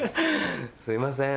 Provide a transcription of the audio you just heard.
すいません。